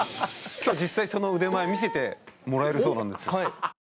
今日は実際にその腕前見せてもらえるそうなんです。